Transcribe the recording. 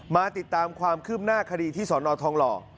มาติดตามความคืบหน้าคดีที่สนทองหล่อ